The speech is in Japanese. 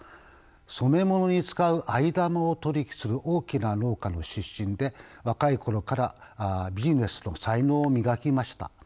染め物に使う藍玉を取り引きする大きな農家の出身で若い頃からビジネスの才能を磨きました。